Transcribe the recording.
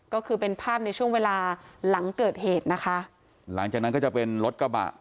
ก็คือเป็นภาพในช่วงเวลาหลังเกิดเหตุนะคะหลังจากนั้นก็จะเป็นรถกระบะ